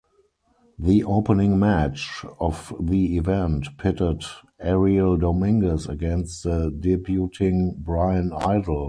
The opening match of the event pitted Ariel Dominguez against the debuting Bryan Idol.